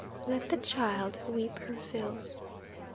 Let the child weep her fill.